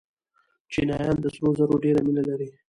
چینایان د سرو زرو ډېره مینه لري.